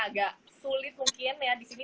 agak sulit mungkin ya di sini